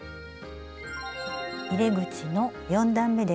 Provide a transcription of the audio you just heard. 入れ口の４段めです。